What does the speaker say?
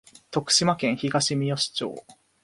徳島県東みよし町